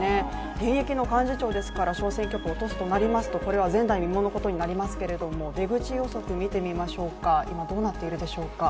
現役の幹事長ですから小選挙区を落とすとなりますとこれは前代未聞のことになりますけど、出口予測、見てみましょう。